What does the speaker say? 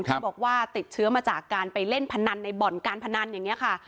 ที่บอกว่าติดเชื้อมาจากการไปเล่นพนันในบ่อนการพนันอย่างนี้ค่ะ